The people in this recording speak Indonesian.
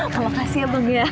kalau kasih emang ya